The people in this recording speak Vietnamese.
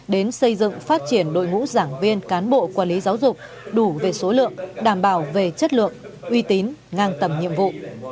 đến xây dựng phát triển đội ngũ giảng viên cán bộ quản lý giáo dục đủ về số lượng đảm bảo về chất lượng uy tín ngang tầm nhiệm vụ